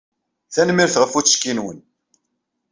Tanemmirt ɣef uttekki-nwen.